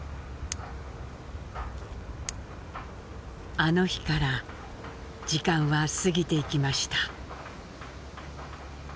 あの日から時間は過ぎていきました。